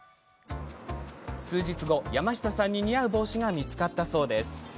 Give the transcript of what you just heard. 数日後、山下さんに似合う帽子が見つかったそうです。